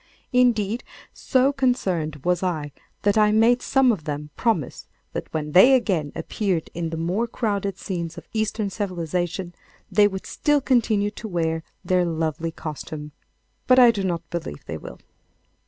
Indeed, so concerned was I that I made some of them promise that when they again appeared in the more crowded scenes of Eastern civilisation they would still continue to wear their lovely costume. But I do not believe they will.